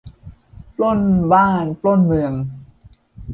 ปล้นบ้านปล้นเมือง